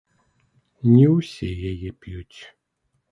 Не ўсе яе п'юць.